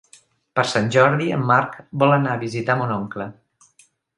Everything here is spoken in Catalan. Per Sant Jordi en Marc vol anar a visitar mon oncle.